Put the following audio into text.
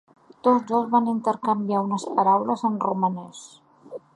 Tots dos van intercanviar unes paraules en romanès.